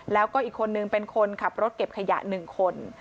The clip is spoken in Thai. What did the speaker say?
แล้วก็อีกคนนึงเป็นคนขับรถเก็บขยะ๑คน